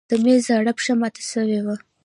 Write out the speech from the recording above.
د مېز زاړه پښه مات شوې وه.